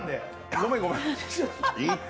ごめん、ごめん。